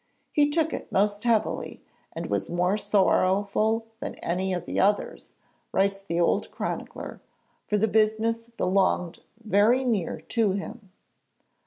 'He took it most heavily and was more sorrowful than any of the others,' writes the old chronicler, 'for the business belonged very near to him.'